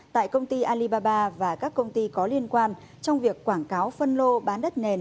tại công ty alibaba và các công ty có liên quan trong việc quảng cáo phân lô bán đất nền